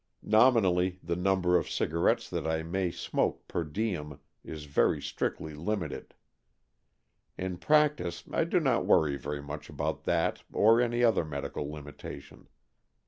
Nominally the number of cigarettes that I may smoke per diem is very strictly limited. In practice I do not worry very much about that or any other medical limitation.